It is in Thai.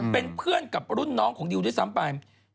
เป็นเพื่อนกับรุ่นน้องของดิวด้วยซ้ำไป